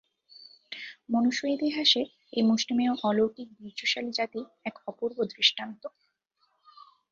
মনুষ্য-ইতিহাসে এই মুষ্টিমেয় অলৌকিক বীর্যশালী জাতি এক অপূর্ব দৃষ্টান্ত।